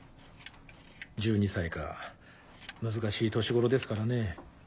１２歳か難しい年頃ですからね。